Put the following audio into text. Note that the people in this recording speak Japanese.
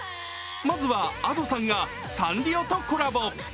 まずは、Ａｄｏさんがサンリオとコラボ。